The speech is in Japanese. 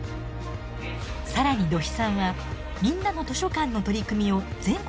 更に土肥さんはみんなの図書館の取り組みを全国へ発信しています。